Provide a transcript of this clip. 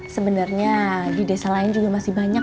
sebenarnya di desa lain juga masih banyak